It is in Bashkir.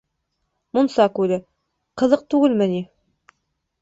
Мунса күле, ҡыҙыҡ түгелме ни?